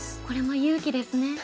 これも勇気ですね。